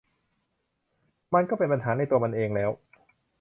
มันก็เป็นปัญหาในตัวมันเองแล้ว